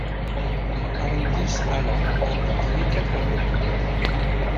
Arndís Halla a publié quatre albums.